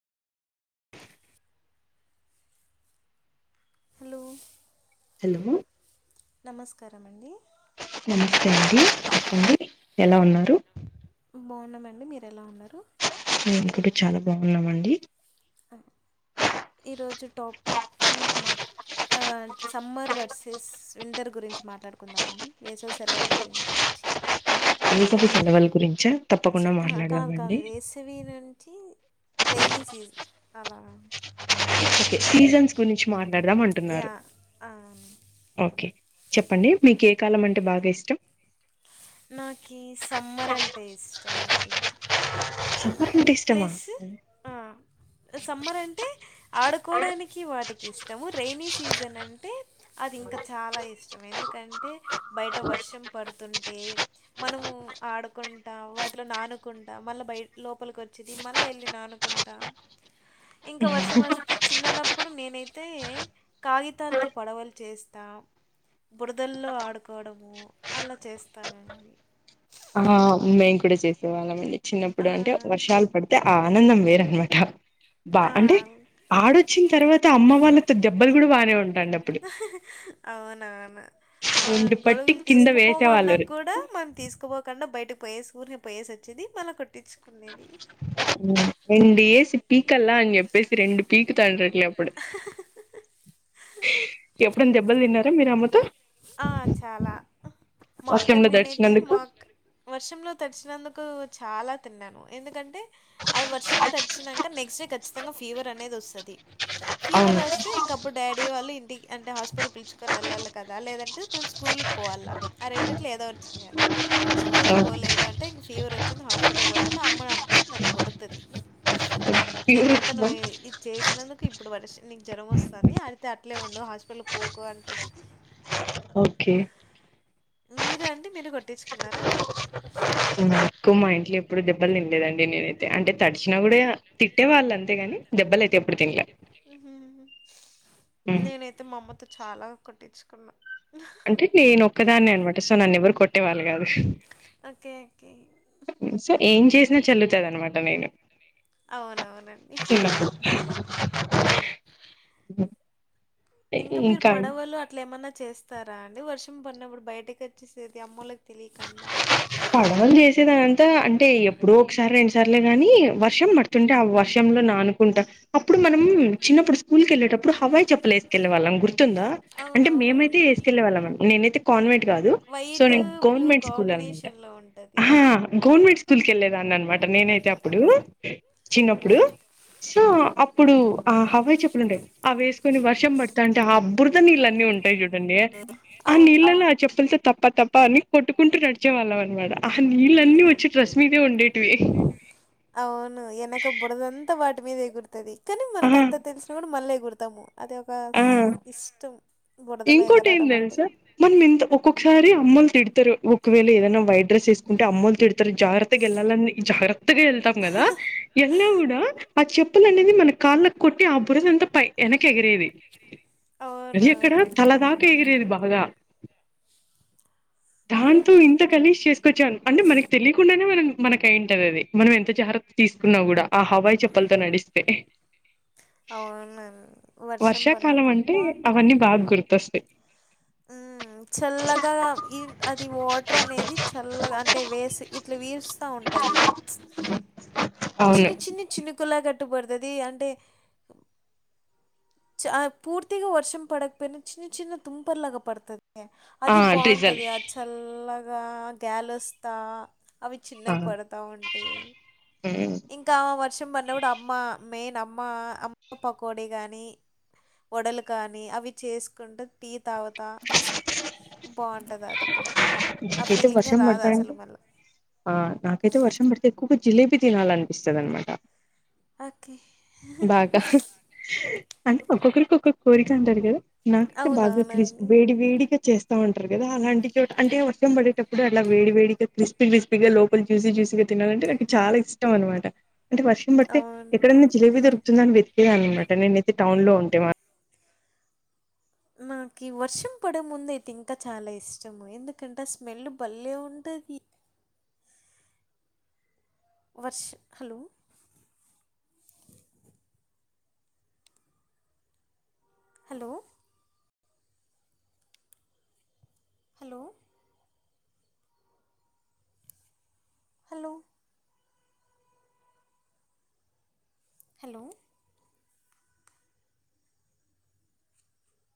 Hello hello నమస్కారమండి నమస్తే అండి చెప్పండి ఎలా ఉన్నారు బాగున్నామండి మీరు ఎలా ఉన్నారు మేం కూడా చాలా బాగున్నామండి ఆ ఈరోజు టాపిక్ మట్ల ఆ సమ్మర్ వర్సెస్ వింటర్ గురించి మాట్లాడుకుందామా అండి వేసవి సెలవులు గురించి వేసవి సెలవుల గురించా తప్పకుండా మాట్లాడదామండి థవీ నుంచి రెైనీ సీజన్ అలా అండి ఓకే సీజన్స్ గురించి మాట్లాడదాం అంటున్నారు యా ఆ. ఓకే చెప్పండి మీకు ఏ కాలం అంటే బాగా ఇష్టం నాకి సమ్మర్ అంటే ఇష్టం అండి సమ్మర్ అంటే ఇష్టమా ప్లస్ ఆ సమ్మర్ అంటే ఆడుకోవడానికి వాటికి ఇష్టము రైైనీ సీజన్ అంటే అది ఇంకా చాలా ఇష్టం ఎందుకంటే బయట వర్షం పడుతుంటే మనము ఆడుకుంటా వాటిలో నానుకుంటా మళ్ళీ బయట లోపలికి వచ్చేది మళ్ళీ వెళ్ళి నానుకుంటా ఇంకా వర్షం వస్తే చిన్ననప్పుడు నేనైతే కాగితాలతో పడవలు చేస్తాం బురదల్లో ఆడుకోవడము అలా చేస్తానండి ఆ మేము కూడా చేసేవాళ్ళం అండి చిన్నప్పుడు ఆ! అంటే వర్షాలు పడితే ఆ ఆనందం వేరనమాట బా అంటే ఆ! ఆడొచ్చిన తర్వాత అమ్మ వాళ్ళతో దెబ్బలు కూడా బాగనే ఉంటాండ అప్పుడు అవునవును ఆ! రెండు పట్టి గొడుగులు కింద తీసుకుపోమన్నా వేసేవాళ్ళురు కూడా మనం తీసుకోపోకుండా బయటకు పోయేసి ఊరినే పోయేసి వచ్చేది మళ్ళా కొట్టించుకునేది రెండు ఏసి పీకల్ల అని చెప్పేసి రెండు పీకుతాండ్రి ఎప్పుడు ఎప్పుడన్న దెబ్బలు తిన్నారా మీరు అమ్మతో ఆ చాలా మా అక్కని వర్షంలో నేనైతే దడిచినందుకు మా అక్క వర్షంలో తడిచినందుకు చాలా తిన్నాను ఎందుకంటే అది వర్షం తడిచినాక నెక్స్ట్ డే ఖచ్చితంగా ఫీవర్ అనేది వస్తుంది ఫీవర్ అవును వస్తే ఇంకప్పుడు డాడీ వాళ్ళు ఇంటికి అంటే హాస్పిటల్ పిలుచుకొని వెళ్ళాలి కదా లేదం అంటే మనం స్కూల్కి పోవల్ల ఆ రెండిట్లో ఏదోటి చేయాలి స్కూల్కి పోలేద టే ఇంకా ఫీవర్ వచ్చింది హాస్పిటల్కి పోవాలంటే అమ్మ అప్పుడు నన్ను కొడుతది నిన్నంతా నువు చేసినందుకు ఇప్పుడు వర్ష నీకు జ్వరం వస్తాంది అయితే అట్లే ఉండు హాస్పిటల్కి పోకు అంటది ఓకే మీరు అండి మీరు కొట్టించుకున్నారా నాక్కు మా ఇంట్లో ఎప్పుడు దెబ్బలు తినలేదండి అండి నేనైతే అంటే నేనైతే తడిచినా అంటే కూడా తడిచినా కూడా తిట్టే వాళ్ళు అంతేగాని తిట్టేవాళ్ళు అంతే దెబ్బలు కానీ అయితే ఎప్పుడు తినలే దెప్పలైతే ఎప్పుడూ తినలేదు హ్మ్. నేనైతే మా అమ్మతో చాలా కొట్టించుకున్నా అంటే నేను ఒక్కదాన్నే అనమాట సో నన్ను ఎవరు కొట్టే వాళ్ళు కాదు ఓకే. ఓకే. సో ఏం చేసినా చెల్లుతాది అనమాట నేను అవునవునండి. చిన్నప్పుడు ఇంకా మీరు పడవలు అట్ల ఏమన్నా చేస్త వస్తారా అండి వర్షం పడినప్పుడు బయటకు వచ్చేసేది అమ్మోళ్ళకి తెలియకుండా పడవలు చేసేదానింతా అంటే ఎప్పుడో ఒకసారి రెండుసార్లే గాని వర్షం పడు తుంటే ఆ వర్షంలో నానుకుంటా అప్పుడు మనం చిన్నప్పుడు స్కూల్కేళ్ళేటప్పుడు హవాయి చెప్పలేస్తాం తిన్న వాళ్ళం గుర్తుందా అంటే మేమైయితే అవునవునవును. ఏసుకెళ్ళే వాళ్ళం నేనైతే కాన్వెంట్ కాదు సో వైట్, నేను బ్లూ గవర్నమెంట్ స్కూల్ అనమాట కాంబినేషన్‌లో ఆ ఉంటది. గవర్నమెంట్ స్కూల్కి వెళ్ళలేదాన్ని అనమాట నేనైతే అప్పుడు చిన్నప్పుడు సో అప్పుడు ఆ హవాయి చెప్పులుండేవి ఆ వేసుకొని వర్షం పడతాంటే అబ్ బురద నీళ్ళన్నీ ఉంటాయి చూడండి ఆ అవును. నీళ్ళని ఆ చెప్పలతో తప్ప తప్ప అని కొట్టు కుంటూ నడిచే వాళ్ళం అనమాట ఆ నీళ్ళన్నీ వచ్చి డ్రస్ మీదే ఉండేటివి అవును వెనక బురద అంతా వాటి మీద ఎగురుతుంది కానీ మనకు ఆ అంత తెలిసిన కూడా మళ్ళీ ఎగురుతాము అది ఒక ఆ ఇష్టం బురదలో ఇంకోటి ఏం ఎగరడం అంటే తెలుసా మనం ఇంత ఒక్కొక్కసారి అమ్మెలు తిడతారు ఒకవేళ ఏదైనా వైట్ డ్రస్ వేసుకుంటే అమ్మెలు తడు తారు ఇ జాగ్రత్తగా వెళ్ళాలని జాగ్రత్తగా వెళ్తాం కదా వెళ్ళినా కూడా ఆ చెప్పులు అనేది మన కాళ్ళ కొట్టి ఆ బురదంత పై వెనక ఎగిరేది అవునా అవును రాత్రి ఎగిరేది బాగా దాంతో ఇంత కలిసి చేసుకొచ్చాను అంటే మనకి తెలియకుండానే మనం మనకయింటది అది మనం ఎంత జాగ్రత్త తీసుకున్నా కూడా ఆ హవాయి చెప్పలతో నడిస్తే అవును వర్షం వర్షాకాలం పడినప్పుడు అంటే అవన్నీ బాగా గుర్తొస్తాయి ఆ చల్లగా అది వాటర్ అనేది చల్లగా అంటే వేసి ఇట్లా వీరుస్తా ఉంటుంది అ చిన్ని చిన్ని చినుకులా కట్టు పడుతది అంటే చ పూర్తిగా వర్షం పడకపోయిన చిన్న చిన్న తుంపర్ లాగా పడుతది ఆ అది ట్రిజల్ బాగుంటుంది ఆ చల్లగా గాలి వస్తా అవి చిన్నగా ఆ పడతా ఉంటాయి ఇంకా ఆమె వర్షం పడినప్పుడు అమ్మ మెయిన్ అమ్మ అమ్మ పకోడి కాగాని వడలు కానీ అవి చేసుకుంటా టీ తావాత బాగుంట కదా అది కూడా ఆ నాకైతే ఫీలింగ్ ఎ వర్షం రాదు పడతా అసలు అంటే మనల్లో ఆ నాకైతే వర్షం పడితే ఎక్కువగా జిలేబీ తినాలనిపిస్తుంది అన్నమాట ఓకే బాగా అంటే ఒక్కొక్కరికి ఒక్కొ కోరిక అంటారు కదా నాకైతే బాగా క్రిష్ అవునవునండి వేడి వేడిగా చేస్తా ఉంటారు కదా అలాంటి చోట అంటే వర్షం పడేటప్పుడు అట్లా వేడి వేడిగా క్రిస్పీ క్రిస్పీగా లోపల జాసి జూసిగా తన్నదంటే నాకు చాలా ఇష్టం అన్నమాట అంటే వర్షం పడితే అవును ఎక్కడైన్నా జిలేబీ దొరుకుతుందని వెతేకే అన్నమాట నేనైతే టౌన్ లో ఉంటే మా నాకు ఈ వర్షం పడే ముందు అయితే ఇంకా చాలా ఇష్టము ఎందుకంటే స్మెల్ బలే ఉంటుంది వర్ష hello hello hello hello hello